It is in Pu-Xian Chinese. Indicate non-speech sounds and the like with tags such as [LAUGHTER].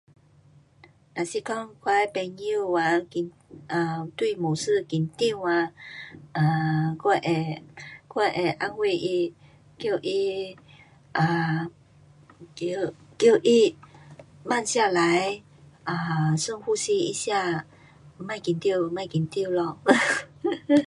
若是讲我的朋友啊紧，um 对某事紧张啊，um 我会，我会安慰他，叫他，um 叫他，慢下来，um 深呼吸一下，别紧张，别紧张咯 [LAUGHS]